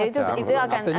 jadi itu akan sia sia